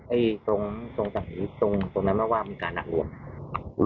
ปรับปรับทรายชนแล้วตรงนั้นมันว่ามีการรับทรัพย์